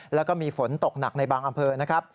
แล้วก็มีฝนตกหนักในบางอำเภอนะครับ